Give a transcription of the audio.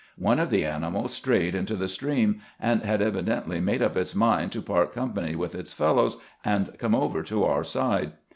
One of the animals strayed into the stream, and had evidently made up its mind to part company with its fellows and come over to our side.